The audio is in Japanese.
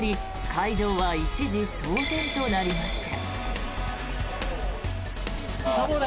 会場は一時、騒然となりました。